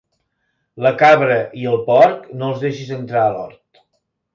La cabra i el porc no els deixis entrar a l'hort.